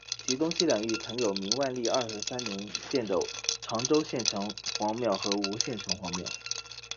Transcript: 其东西两翼曾有明万历二十三年建的长洲县城隍庙和吴县城隍庙。